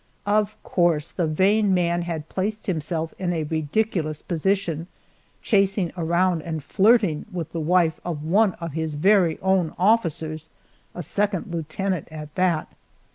Of course the vain man had placed himself in a ridiculous position, chasing around and flirting with the wife of one of his very own officers a second lieutenant at that!